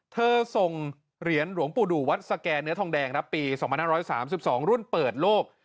ส่งเหรียญหลวงปู่ดูวัดสแก่เนื้อทองแดงปี๒๕๓๒รุ่นเปิดโลก